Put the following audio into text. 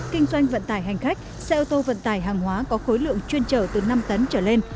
kinh doanh vận tải hành khách xe ô tô vận tải hàng hóa có khối lượng chuyên trở từ năm tấn trở lên